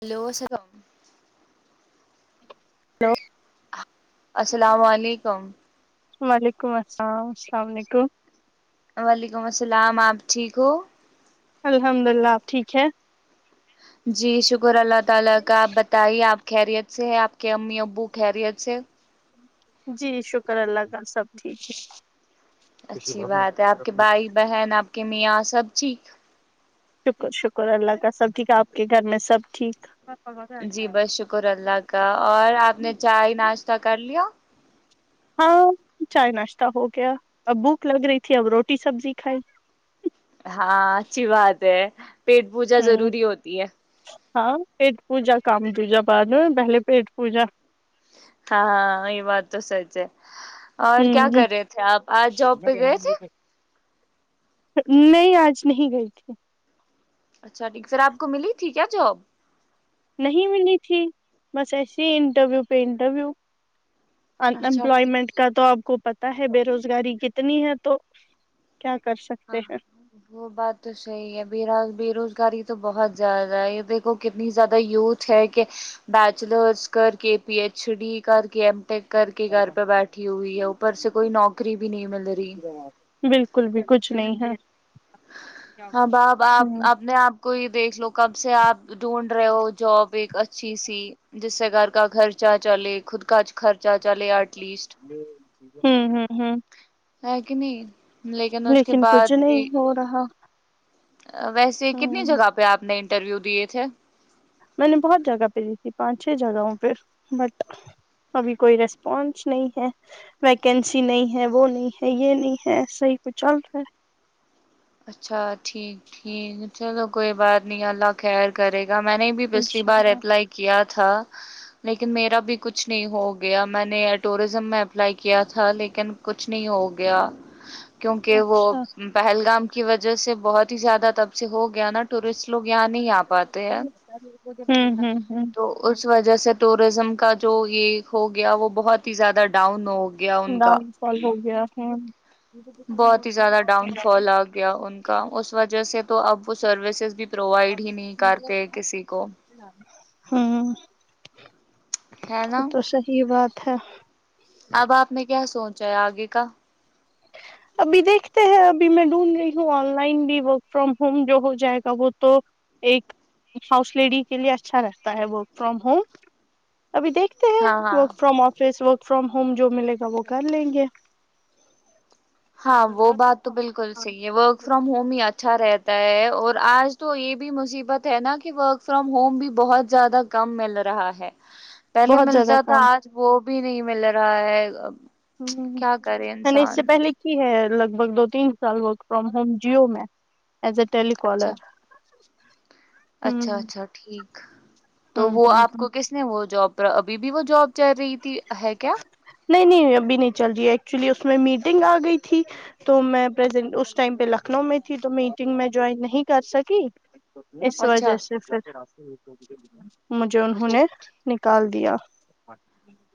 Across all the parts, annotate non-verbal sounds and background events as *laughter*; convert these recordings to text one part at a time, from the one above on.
Hello السلام علیکم *inaudible* السلام علیکم وعلیکم السلام السلام علیکم وعلیکم السلام آپ ٹھیک ہو الحمد للہ آپ ٹھیک ہے جی شکر اللہ تعالی کا آپ بتائیے آپ خیریت سے ہے آپ کے امی ابو خیریت سے جی شکر اللہ تال سب ٹھیک ہے اچھی بات ہے آپ کے بھائی بہن آپ کے میاں سب ٹھیک شکر شکر اللہ کا سب ٹھیک آپ کے گھر میں سب ٹھیک جی بس شکر اللہ کا اور آپ نے چائے ناشتہ کر لیا ہاں چائے ناشتہ ہو گیا اب بھوک لگ رہی تھی اب روٹی سبزی کھائی ہاں اچھی بات ہے پیٹ پوجا ہوں ضروری ہوتی ہے ہاں پیٹ پوجا کام دیجا بعد میں پہلے پیٹ پوجا ہاں ہاں یہ بات تو سچ ہے اور کیا ہوں کر رہے تھے آپ آج جاب پہ گئے تھے نہیں آج نہیں گئی تھی اچھا ٹھیک سر آپ کو ملی تھی کیا جاب نہیں ملی تھی بس ایسی انٹرویو پہ انٹرویو ان اچھا ٹھیک امپلائمنٹ کا تو آپ کو پتا ہے بے روزگاری کتنی ہے تو کیا کر سکتے ہیں ہاں وہ بات تو صحیح ہے با بے روزگاری تو بہت زیادہ ہے یہ دیک کتنی زیادہ یوتھ ہے کہ بیچلرس کر کے پی ایچ ڈی کر کے کر کے گھر پہ بیٹھی ہوئی ہے اوپر سے کوئی نوکری بھی نہیں مل رہی بالکل بھی کچھ نہیں ہے ہاں بپ آپ ہوں آپ نے آپ کوئی دیکھ لو کب سے آپ ڈھونڈ رہے ہو جاب اچھی س جس سے گار کا خھرچہ چلے خود کا خرچ چاچ لے ایٹ لیسٹ ہوں ہوں ہوں ہے کہ نہیں اس کے لیکن کچھ بعد نہیں بھی ہو رہا ویسے کتنی ہوں جگہ پہ آپ نے انٹرویو دیے تھے میں نے بہت جگہ پہ تھی پانچے جگہوں پہ بٹ ابھی کوئی ریسپانس نہیں ہے ویکینسی نہیں ہے وہ نہیں ہے یہ نہیں ہے صحیح کو چل رہا ہے اچھا ٹھیک ٹھیک چلو کوئی بات نہیں اللہ خیر کرے میں نے بھی ہے پچھلی انشاء بار اللہ اپلائی کیا تھا لیکن میرا بھی کچھ نہیں ہو گیا میں نے ٹوریزم میں اپلائی کیا تھا لیکن کچھ نہیں ہو گیا کیونکہ وہ اچھا پہلگام کی وجہ سے بہت ہی زیادہ تب سے ہو گیا نا ٹورسٹ لوگ یہاں نہیں آ پاتے ہیں ہ ہ ہ تو اس وجہ سے ٹوریزم کا جو یہ ہو گیا وہ بہت ہی زیادہ ڈاؤن ہو گیا ان کا ڈاؤن فال ہو گیا ہ بہت ہی زیادہ ڈاؤن فال آ گیا ان کا اس وجہ سے تو اب وہ سروسز بھی پرووائڈ ہی نہیں کرتے کسی کو ہ ہے نا اٹھ اب آپ نے کیا سوچا ہے آگے کا ابھی دیکھتے ہیں ابھی میں ڈھونڈ رہی ہوں آن لائن بھی ورک فرام ہوم جو ہو جائے گا وہ تو ایک ہاؤس لیڈی کے لیے اچھا رہتا ہے ورک فرام ہوم ابھی دیکھتے ہیں ہاں ہاں work from office work from home جو ملے گا وہ کر لیں گے ہاں وہ بات تو بالکل صحیح ہے ورک فرام ہوم ہی اچھا رہتا اور آج تو یہ بھی مصیبت ہے نا کہ ورک فرام ہوم بھی بہت زیادہ کم مل رہا ہے پہلے بہت زیادہ ملتا تھا کام آج وہ بھی نہیں مل رہا ہے کیا کرے میں نے اس سے انسان پہلے کی ہے لگ بھگ دو تین سال ورک فرام جیو میں ایز ا ٹیلی اچھا کالر ہ اچھا اچھا ٹھیک تو ہ وہ ہ آپ ہ کو کس نے وہ جاب بی بیی وہ جاب چ رہی ت ہے کیا نہیں نہیں ابھی نہیں چل رہی ہے ایکچولی اس میں میٹنگ آ گئی تھی تو میں پرزینٹ اس ٹائم پہ لکھنؤ میں تھی تو میٹنگ میں جوائن نہیں کر سکی اس اچھا وجہ سے پھر *inaudible* مجھے انہوں اچھا نے نکال دیا دیا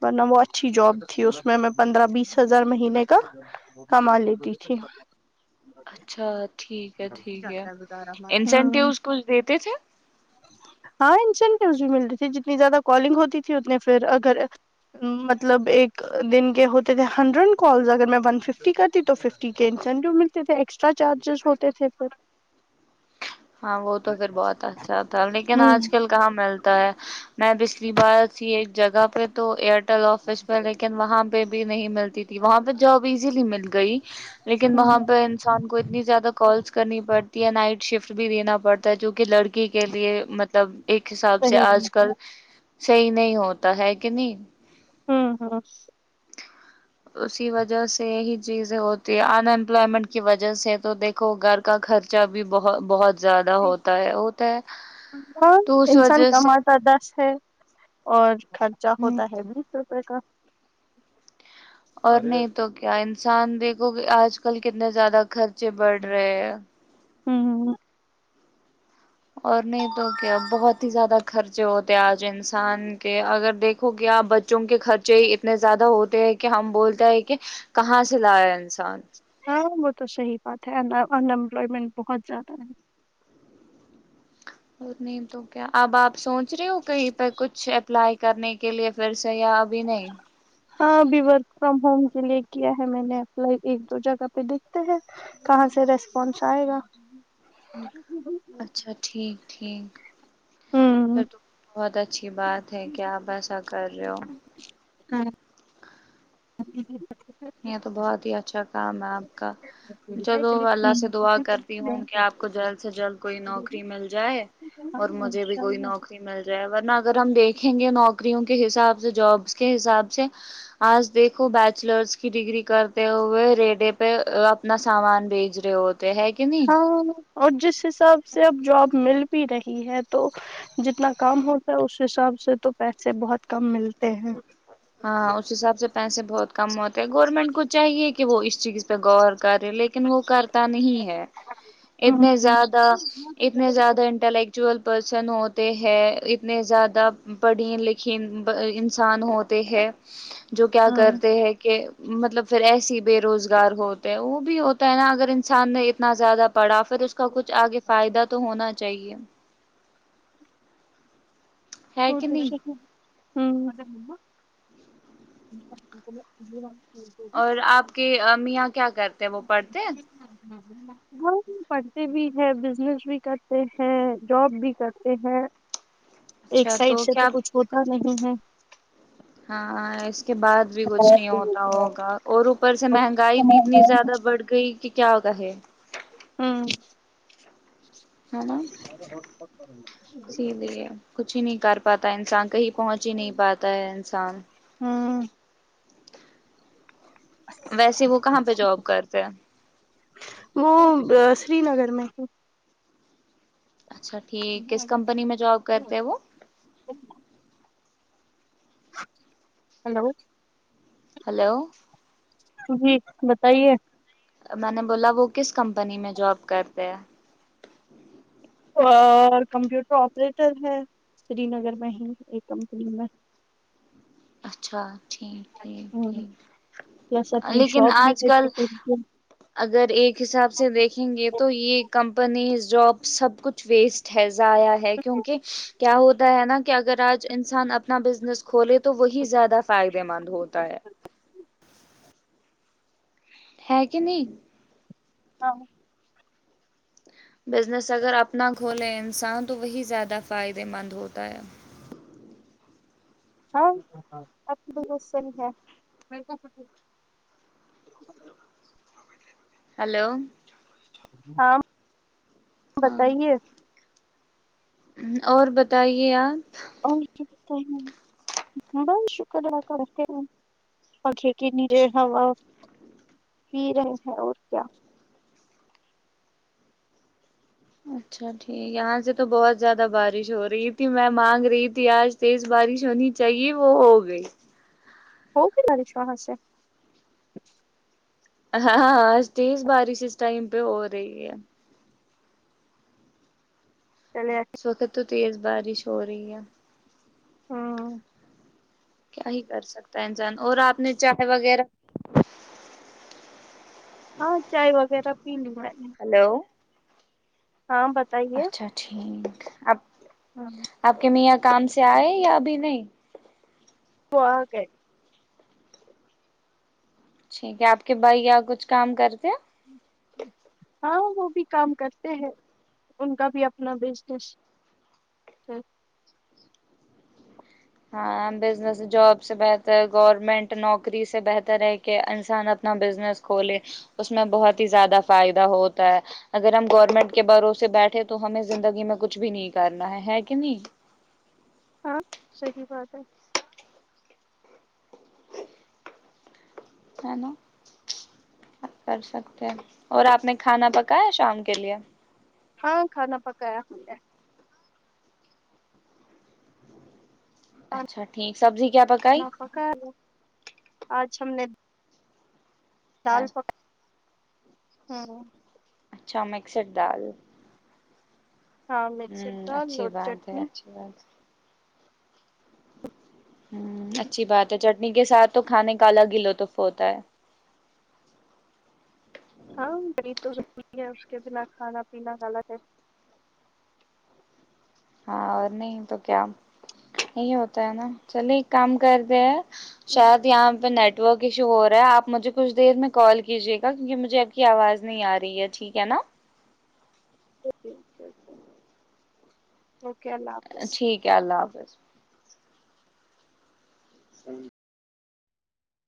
ورنہ وہ اچھی جاب تھی اس میں میں پندرہ بیس ہزار مہینے کا کما لیتی تھی اچھا ٹھیک ہے ٹھیک ہے ہوں انسینٹیوز کچھ دیتے تھے ہاں انسینٹیوز بھی ملتی تھی جتنی زیادہ کالنگ ہوتی تھی اتنے پھر ا مطلب ایک دن کے ہوتے تھے ہنڈریڈ کالز اگر میں ون فف کرتی تو فف کے انسینٹیو ملتے تھے ایکسٹرا چارجز ہوتے تھے پھر ہاں وہ تو پھر بہت اچھا تھا لیکن ہوں آج کل کہاں ملتا *inaudible* میں پچھلی بار تھی ایک جگہ پہ تو ایئرٹیل آفس پہ لیکن وہاں پہ بھی نہیں ملتی تھی وہاں پہ جاب ایزیلی مل گئی لیکن ہوں وہاں پہ انسان کو اتنی زیادہ کالس کرنی پڑتی ہے نائٹ شفٹ بھی لینا پڑتا ہے جو کہ لڑکی کے لیے مطلب ایک ہ حساب سے صحیح ہوں آج کل صحی نہیں ہوتا ہے کہ نہیں ہاں ہاں اسی وجہ سے یہی چیزیں ہوتی ہے ان امپلائمنٹ کی وجہ سے تو دیکھو گھر کا خرچہ بھی بہت *inaudible* زیادہ ہوتا ہے ہوتا ہے ہاں تو اس انسان وجہ سے کماتا دس ہے اور خرچہ ہوتا ہے بیس روپے کا اور نہیں تو کیا انسان دیکھو *inaudible* آ کل کتنے زیادہ خرچے بڑھ رہے ہیں ہوں اور نہیں تو کیا بہت ہی زیادہ خرچے ہوتے آج انسان کے اگر دیکھو گ آپ بچوں کے خرچے ہی اتنے زیادہ ہوتے کہ ہم بولتے ہیں کہ کہاں سے لا انس ہاں م تو صحیح بات ہے انمپلائمنٹ بہت زیادہ ہے اور نہیں تو کیا اب آپ سوچ رہے ہو کہیں پہ کچھ اپلائی کرنے کے لیے پھر سےیاب ب نہیں ہاں ابھی ورک فرام ہوم کے لیے کیا ہے میں نے اپل ایک دو جگہ پہ دیکھتے ہیں کہاں سے ریسپانس آئے گا ہوں اچھا ٹھیک ٹھیک س بہت اچھی بات ہے کہ آپ ایسا کر رہے ہو جی جی یہ تو بہت ہی اچھا چکام آپ کا چلو اللہ سے دعا کرتی ہوں کہ آپ کو جلد سے جلد کوئی نوکری مل جائے اور ہوں مجھے بھی انشاء کوئی اللہ نوکری مل جائے ورنہ اگر ہم دیکھ دیکھیں گے نوکریوں کے حساب سے جابس کے حساب سے آج دیکھو بیچلرس کی ڈگری کرتے ہوئے ریڈے پہ اپنا سامان بھیج رہے ہو تو ہے کہ نہیں ہاں اور جس حساب سے اب جاب مل بھی رہی ہے تو جتنا کام ہوتا ہے اس حساب سے تو پیسے بہت کم ملتے ہیں ہاں اس حساب سے پیسے بہت کم ہوتے ہیں گورنمنٹ کو چاہیے کہ وہ اس چ کس پہ غور لیکن وہ کرتا نہیں ہے ہاں اتنے ہاں زیادہ اتنے زیادہ انٹلیکچو پرسن ہوتے ہیں نے زیادہ پڑھیں لکھیں انسان ہو ت ہے *unintelligible* جو کیا کرتے ہیں کہ مطلب پھر ایسی بے روزگار ہوتا ہے وہ بھی ہوتا ہے نا اگر انسان نے اتنا زیادہ پڑا پھر اس کا کچھ آگے فائدہ تو ہونا چاہیے ہے ہو کہ تو نہیں *unintelligible* *unintelligible* اور آپ کے میاں کیا کرتے ہیں وہ پڑھتے ہاں پڑھتے بھی ہیں بزنس بھی کرتے ہیں جاب بھی کرتے ہیں ایک اچھا سائڈ سے تو کیا کچھ ہوتا نہیں ہے ہاں اس کے بعد بھی کچھ نہیں ہوں ہوتا ہوگا اور اوپر سے مہنگائی بھی اتنی زیادہ بڑھ گئی کہ کیا کہے ہاں ہ نا سی لی ہے کچھ ہی نہیں کر پاتا انسان کہیں پہنچ ہی نہیں پاتا ہے انسان ہوں ویسے وہ کہاں پہ جاب کرتے ہیں وہ سری نگر میں ہی اچھا ٹھیک کس کمپنی میں جاب کرتے وہ ہلو *unintelligible* ہلو *unintelligible* جی بتائیے میں نے بولا وہ کس کمپنی میں جوب کرتے ہیں اور کمپیوٹر آپریٹر ہے سری نگر میں ہی ایک کمپنی میں اچھا *unintelligible* ٹھیک ٹھیک پلس ٹھیک اپنی لیکن شاپ بھی آج کل ہے اگر ایک حساب سے دیکھیں گے تو یہ کمپنیز جاب سب کچھ ویسٹ ہے ضیاء ہے کیونکہ کیا ہوتا ہے نا کہ اگر آج انسان اپنا بزنس کھولے تو وہی زیادہ فائدے مند ہوتا ہے ہے کہ نہیں ہاں بزنس اگر اپنا کھولے انسان تو وہی زیادہ فائدے مند ہوتا ہے ہاں اپ کی بات صحیح ہے *unintelligible* ہلو ہاں ہاں بتائیے اور بتائیے آپ اور کیا ب بس شکر ادا کرتے ہیں پنکھے کے نیچے ہوا پی رہے ہیں اور کیا اچھا ٹھیک یہاں سے تو بہت زیادہ بارش ہو رہی تھی میں مانگ رہی تھی آج تیز بارش ہونی چاہیے وہ ہو گئی ہوگی نا وشواس ہے ہاں ہاں آج تیز بارش اس ٹائم پہ ہو رہی ہے چلے آتے۔ سوقت تو تیز بارش ہو رہی ہے ہو کیا ہی کر سکتا ہے انسان اور آپ نے چائے وغیرہ ہاں چائے وغیرہ پی لی میں نے ہلو ہاں بتائیے اچھا ٹھیک آپ ہاں آپ کے میاں کام سے آئے یا ابھی نہیں *inaudible* ٹھیک ہے آپ کے بھائی کیا کچھ کام کرتے ہاں وہ بھی کام کرتے ہیں ان کا بھی اپنا بزنس ہے ہاں بزنس جاب سے بہتر گورنمنٹ نوکری سے بہتر ہے کہ انسان اپنا بزنس کھولے اس میں بہت ہی زیادہ فائدہ ہوتا ہے اگر ہم گورنمنٹ کے بھروسے بیٹھے تو ہمیں زندگی میں کچھ بھی نہیں کرنا ہے ہے کہ نہیں ہاں صحی بات ہے نا کر سکتے ہیں اور آپ نے کھانا پکایا شام کے لیے ہاں کھانا پکایا ہا ہے اچھا ٹھیک سبزی کیا پکائی چ س نے *inaudible* دال پک *inaudible* ہاں *inaudible* اچھا مکسڈ دال *inaudible* ہاں مسی ہوں دال اچھی اور بات ہے چٹنی *unintelligible* اچھی بات ہ اچھی بات ہے چٹنی کے ساتھ تو کھانے کا الگ ہی لطف ہوتا ہے *unintelligible* ہاں نہیںی تو ضروری ہے اس کے بنا کھانا پینا غلط ہے *unintelligible* ہاں اور نہیں تو کیا یہی ہوتا ہے نا چلے ایک کام کر د ہیں *unintelligible* اوکے شاید یہاں پہ نیٹورک *unintelligible* کشو ہو رہا ہے آپجھے کچھ دیر میں کال کیجے گا کیونکہ مجھے اب کی آواز نہیں آ رہی ہے ٹھیک ہے نا *unintelligible* اوکے اوکے اوکے، اللہ حافظ ٹھیک ہے اللہ حافظ *unintelligible* صی *inaudible*